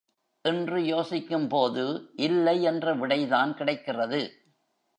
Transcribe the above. என்று யோசிக்கும் போது இல்லை என்ற விடைதான் கிடைக்கிறது.